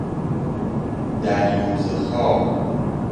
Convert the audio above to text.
دریوزه خواه